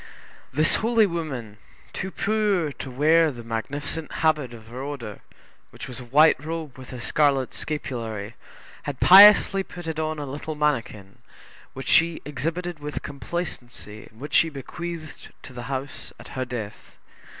This holy woman, too poor to wear the magnificent habit of her order, which was a white robe with a scarlet scapulary, had piously put it on a little manikin, which she exhibited with complacency and which she bequeathed to the house at her death.